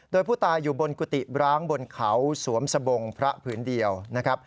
โดยผู้ตายอยู่บนกุฏิบร้างบนเขาสวมสบงพระผืนเดียวนะครับ